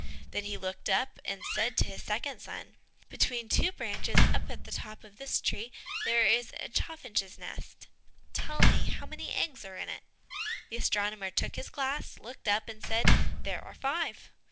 Then he looked up and said to his second son, "Between two branches up at the top of this tree, there is a chaffinch's nest, tell me how many eggs there are in it?" The astronomer took his glass, looked up, and said, "There are five."